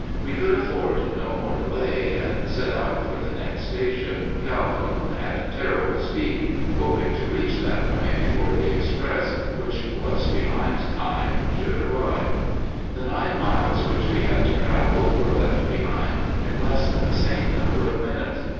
We could afford no more delay, and set out for the next station, Calhoun, at terrible speed, hoping to reach that point before the express, which was behind time, should arrive. The nine miles which we had to travel were left behind in less than the same number of minutes.